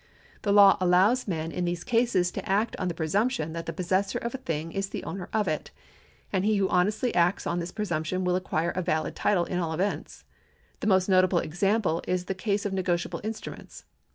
The law allows men in these cases to act on the })rcsumj)tion that the possessor of a thing is the owner of it ; and he who honestly acts on this presumption will acquire a valid title in all events. The most notable example is the case of negotiable instruments.